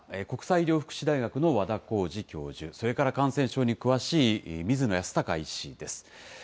国際医療福祉大学の和田耕治教授、それから、感染症に詳しい水野泰孝医師です。